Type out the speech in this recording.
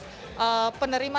jadi tidak ada yang bisa dipercaya